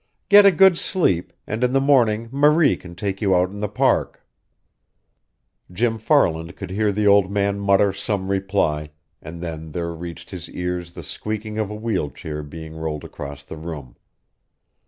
Get a good sleep, and in the morning Marie can take you out in the Park." Jim Farland could hear the old man mutter some reply, and then there reached his ears the squeaking of a wheel chair being rolled across the floor.